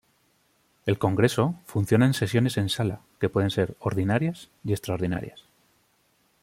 El Congreso funciona en sesiones en sala, que pueden ser: ordinarias y extraordinarias.